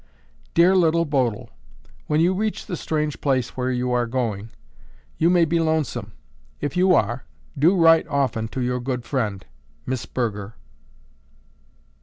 'Dear Little Bodil, When you reach the strange place where you are going, you may be lonesome. If you are, do write often to your good friend, Miss Burger.